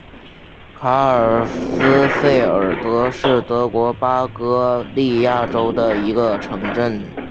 卡尔斯费尔德是德国巴伐利亚州的一个市镇。